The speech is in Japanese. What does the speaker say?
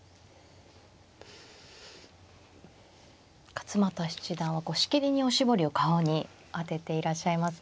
勝又七段はしきりにおしぼりを顔に当てていらっしゃいますね。